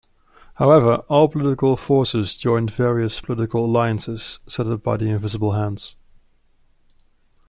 However, all political forces joined various political alliances set up by the invisible hands.